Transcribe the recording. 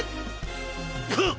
ハッ！